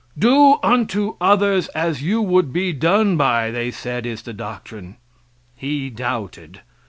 "Do unto others as you would be done by," they said is the doctrine. He doubted.